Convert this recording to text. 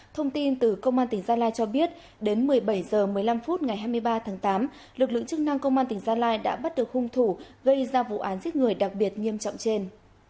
thông tin từ công an tỉnh gia lai cho biết đến một mươi bảy h một mươi năm phút ngày hai mươi ba tháng tám lực lượng chức năng công an tỉnh gia lai đã bắt được hung thủ gây ra vụ án giết người đặc biệt nghiêm trọng trên